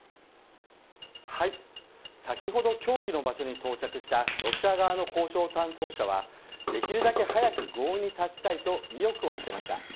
先ほど協議の場所に到着したロシア側の交渉担当者はできるだけ早く合意に達したいと意欲を見せました。